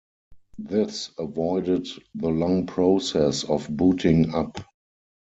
This avoided the long process of booting up.